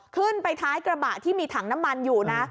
ขึ้นไปท้ายกระบะที่มีถังน้ำมันอยู่นะ